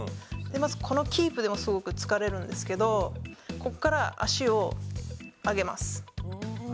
このキープもすごく疲れるんですけどここから足を上げます。